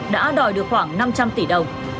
đã đòi được khoảng năm trăm linh tỷ đồng